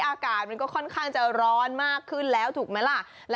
อากาศมันก็ค่อนข้างจะร้อนมากขึ้นแล้วถูกไหมล่ะ